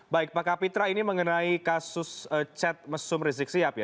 baik pak kapitra ini mengenai kasus chat mesum rizik sihab ya